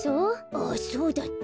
あっそうだった。